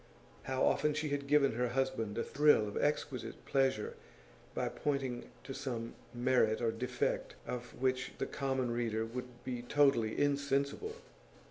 How often she had given her husband a thrill of exquisite pleasure by pointing to some merit or defect of which the common reader would be totally insensible!